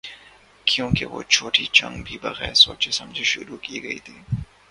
کیونکہ وہ چھوٹی جنگ بھی بغیر سوچے سمجھے شروع کی گئی تھی۔